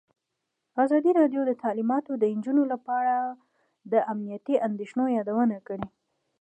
ازادي راډیو د تعلیمات د نجونو لپاره په اړه د امنیتي اندېښنو یادونه کړې.